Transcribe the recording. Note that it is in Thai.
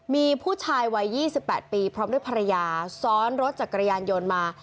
มีผู้ชายวัย๒๘ปีพร้อมด้วยภรรยาซ้อนรถจักรยานยนต์มา